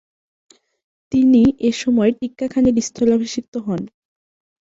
তিনি এসময় টিক্কা খানের স্থলাভিষিক্ত হন।